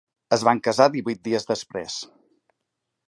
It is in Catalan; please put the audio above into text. Es van casar divuit dies després.